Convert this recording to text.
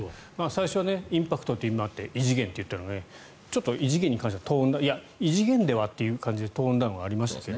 最初はインパクトという意味もあって異次元と言ったのがちょっと異次元に関しては異次元ではという感じでトーンダウンはありましたけどね。